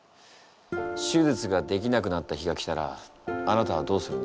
手術ができなくなった日が来たらあなたはどうするんだ？